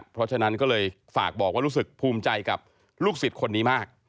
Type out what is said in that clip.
เพราะฉะนั้นก็เลยฝากบอกว่ารู้สึกภูมิใจกับลูกศิษย์คนนี้มาก